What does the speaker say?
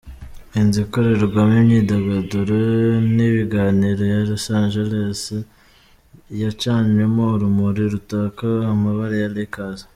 Inzu ikorerwamo imyidagaruro n'ibiganiro ya Los Angeles yacanywemo urumuri rutaka amabara ya Lakers.